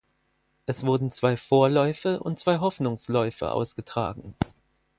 Es wurden zwei Vorläufe und Hoffnungsläufe ausgetragen.